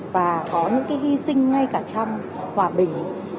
và có những hy sinh ngay cả trong hòa bình